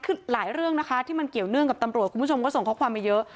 คือหลายเรื่องนะคะที่มันเกี่ยวเนื่องกับตำรวจคุณผู้ชมก็ส่งข้อความมาเยอะ